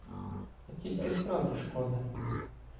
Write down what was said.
А тільки справді шкода.